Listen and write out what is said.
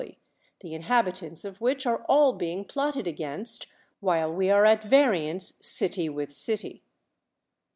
y, the inhabitants of which are all being plotted against, while we are at variance city with city.